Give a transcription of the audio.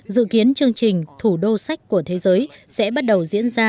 dự kiến chương trình thủ đô sách của thế giới sẽ bắt đầu diễn ra